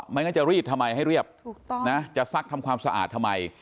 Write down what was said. งั้นจะรีดทำไมให้เรียบถูกต้องนะจะซักทำความสะอาดทำไม